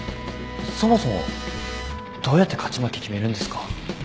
そもそもどうやって勝ち負け決めるんですか？